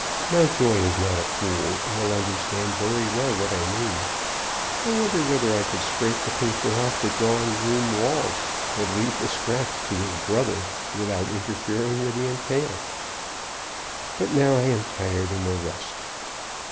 Mountjoy is not a fool, and will understand very well what I mean. I wonder whether I could scrape the paper off the drawing room walls, and leave the scraps to his brother, without interfering with the entail? But now I am tired, and will rest."